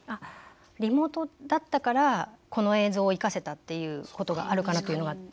リモートだったからこの映像を生かせたっていうことがあるかなというのがあって。